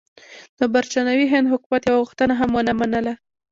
د برټانوي هند حکومت یوه غوښتنه هم ونه منله.